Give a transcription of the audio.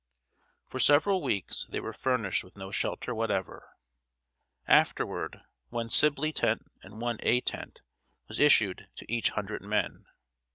] For several weeks, they were furnished with no shelter whatever. Afterward, one Sibley tent and one A tent was issued to each hundred men.